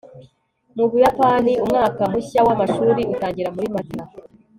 mu buyapani, umwaka mushya w'amashuri utangira muri mata